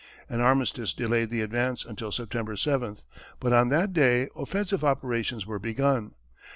An armistice delayed the advance until September 7, but on that day offensive operations were begun.